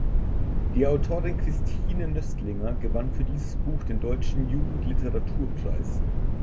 Die Autorin Christine Nöstlinger gewann für dieses Buch den Deutschen Jugendliteraturpreis.